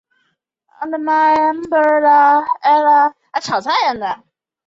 不同的职位对候选人均有最低年龄的限制。